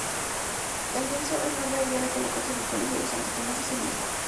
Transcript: El lienzo, enorme, habría de colocarse en el Colegio de Santo Tomás de Sevilla.